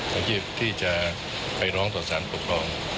ก่อนที่จะไปร้องต่อสารปกครอง